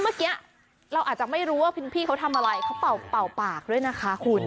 เมื่อกี้เราอาจจะไม่รู้ว่าพี่เขาทำอะไรเขาเป่าปากด้วยนะคะคุณ